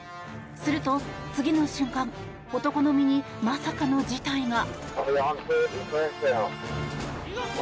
すると、次の瞬間男の身にまさかの事態が。